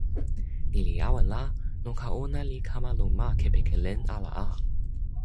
ni li awen la, noka ona li kama lon ma kepeken len ala a!